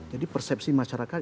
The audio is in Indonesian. jadi persepsi masyarakat